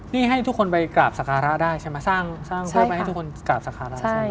นี่ให้ทุกคนไปกราบสการะได้ใช่ไหมสร้างเพื่อไปให้ทุกคนกราบสการะใช่ไหม